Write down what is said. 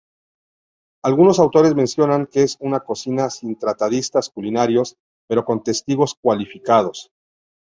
Algunos autores mencionan que es una cocina sin tratadistas culinarios, pero con testigos cualificados.